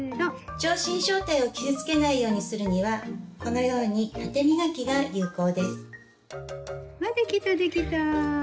上唇小帯を傷つけないようにするにはこのように縦磨きが有効です。わできたできた！